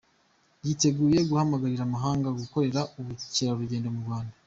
Yiteguye guhamagarira amahanga gukorera ubukerarugendo mu Rwanda.